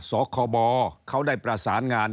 สคบเขาได้ประสานงาน